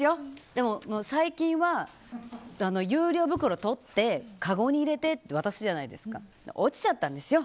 でも、最近は有料袋を取ってかごに入れて渡すじゃないですか。落ちちゃったんですよ。